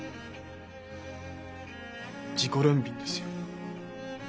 自己憐憫ですよ。